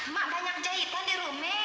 mak banyak jahitan di rumi